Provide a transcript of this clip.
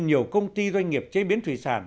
nhiều công ty doanh nghiệp chế biến thủy sản